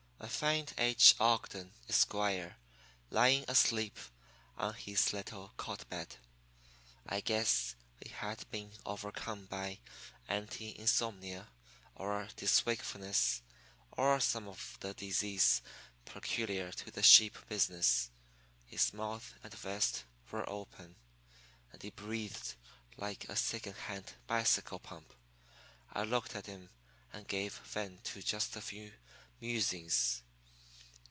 I find H. Ogden, Esquire, lying asleep on his little cot bed. I guess he had been overcome by anti insomnia or diswakefulness or some of the diseases peculiar to the sheep business. His mouth and vest were open, and he breathed like a second hand bicycle pump. I looked at him and gave vent to just a few musings.